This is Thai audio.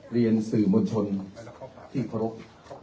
เรียนสื่อมวลชนที่เคารพ